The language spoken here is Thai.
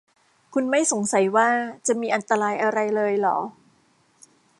คุณไม่สงสัยว่าจะมีอันตรายอะไรเลยหรอ ?